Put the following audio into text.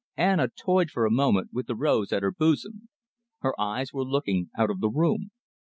Anna toyed for a moment with the rose at her bosom. Her eyes were looking out of the room.